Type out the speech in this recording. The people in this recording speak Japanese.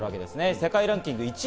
世界ランキング１位